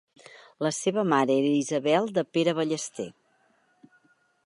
La seva mare era Isabel de Pere Ballester.